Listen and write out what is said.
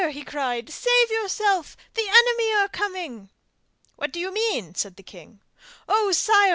he cried, 'save yourself! the enemy are coming!' 'What do you mean?' said the king. 'Oh, sire!